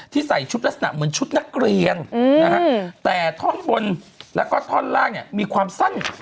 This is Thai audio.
ใส่ชุดลักษณะเหมือนชุดนักเรียนนะฮะแต่ท่อนบนแล้วก็ท่อนล่างเนี่ยมีความสั้น